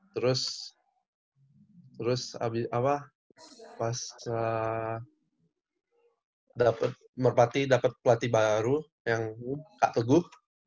terus terus apa pas dapet merpati dapet pelatih baru yang kak teguh